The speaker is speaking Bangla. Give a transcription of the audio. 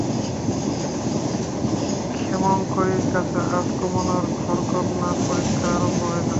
ক্ষেমংকরীর কাছে আজ কমলার ঘরকন্নার পরীক্ষা আরম্ভ হইল।